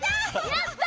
やった！